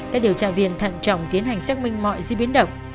các điều tra viên thận trọng tiến hành xác minh mọi di biến động